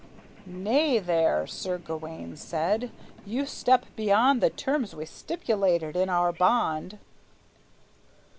"Nay, there," Sir Gawayne said, "you step beyond The terms we stipulated in our bond.